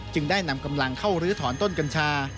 ได้นำกำลังเข้าลื้อถอนต้นกัญชา